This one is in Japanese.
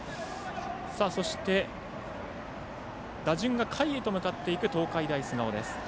そして、打順が下位へと向かっていく東海大菅生です。